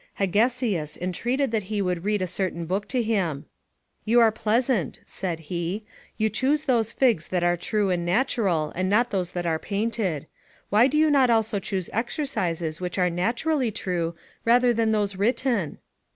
Hegesias entreated that he would read a certain book to him: "You are pleasant," said he; "you choose those figs that are true and natural, and not those that are painted; why do you not also choose exercises which are naturally true, rather than those written?"